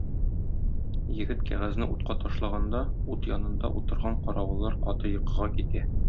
Егет кәгазьне утка ташлаганда, ут янында утырган каравыллар каты йокыга китә.